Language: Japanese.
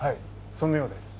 そのようです。